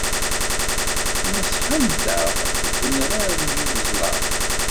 Tneṣṣḥemt-aɣ deg wenrar n yiweẓla.